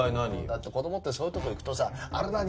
だって子供ってそういうとこ行くとさあれ何？